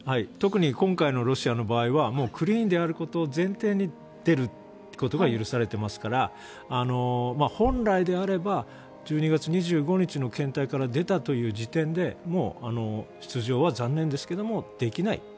特に今回のロシアの場合はクリーンであることを前提に出ることが許されていますから本来であれば１２月２５日の検体から出たという時点でもう、出場は残念ですけどもできない。